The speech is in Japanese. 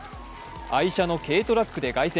愛車の軽トラックで凱旋。